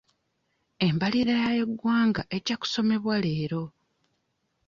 Embalirira y'eggwanga ejja kusomebwa leero.